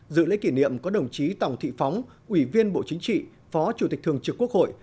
dự lễ kỷ niệm có đồng chí tòng thị phóng ủy viên bộ chính trị phó chủ tịch thường trực quốc hội